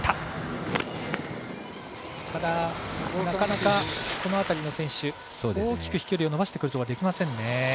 なかなか、この辺りの選手大きく飛距離を伸ばしてくることができませんね。